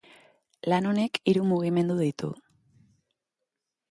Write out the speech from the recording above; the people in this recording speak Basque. Lan honek hiru mugimendu ditu.